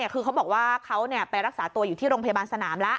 คือเขาบอกว่าเขาไปรักษาตัวอยู่ที่โรงพยาบาลสนามแล้ว